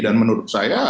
dan menurut saya